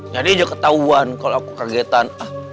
jadi aja ketahuan kalo aku kagetan